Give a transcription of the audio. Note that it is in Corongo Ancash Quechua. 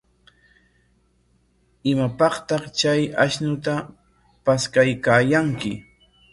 ¿Imapaqtaq chay ashnuta paskaykaayanki?